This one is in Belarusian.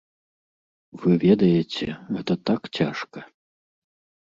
Вы ведаеце, гэта так цяжка.